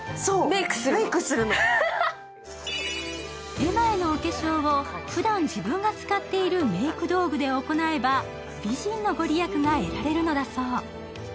絵馬へのお化粧をふだん、自分が使っているメイク道具で行えば美人の御利益が得られるのだそうです。